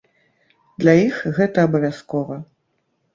Для іх гэта абавязкова.